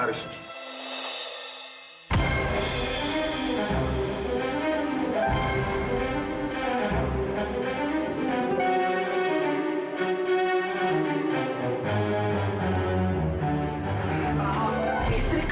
tuhan lepaskan aku